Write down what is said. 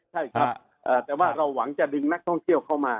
ใช่ครับแต่ว่าเราหวังจะดึงนักท่องเที่ยวเข้ามา